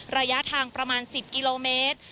ระยะทางประมาณ๑๐กิโลเมตร